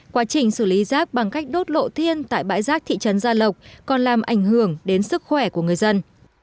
quá trình xử lý rác bằng cách đốt lộ thiên tại bãi rác thị trấn gia lộc còn làm ảnh hưởng đến sức khỏe của người dân